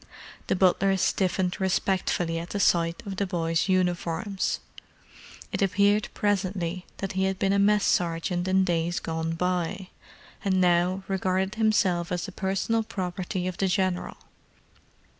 The butler stiffened respectfully at the sight of the boys' uniforms. It appeared presently that he had been a mess sergeant in days gone by, and now regarded himself as the personal property of the General.